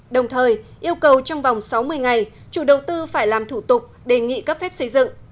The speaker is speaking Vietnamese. đồng thời yêu cầu trong vòng sáu mươi ngày chủ đầu tư phải làm thủ tục đề nghị cấp phép xây dựng